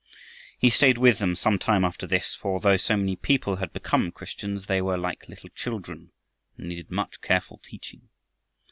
He stayed with them some time after this, for, though so many people had become Christians, they were like little children and needed much careful teaching.